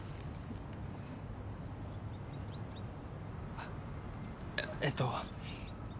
あっえっと。